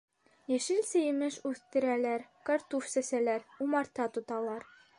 Йәшелсә-емеш үҫтерәләр, картуф сәсәләр, умарта тоталар.